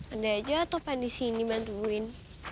ada aja topan di sini bantuin